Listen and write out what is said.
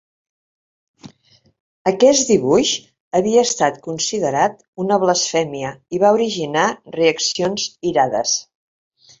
Aquest dibuix havia estat considerat una blasfèmia i va originar reaccions irades.